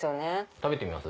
食べてみます？